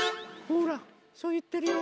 ほらそういってるよ。